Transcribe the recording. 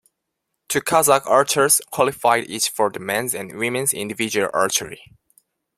Two Kazakh archers qualified each for the men's and women's individual archery.